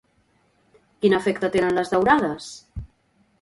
Quin efecte tenen les daurades?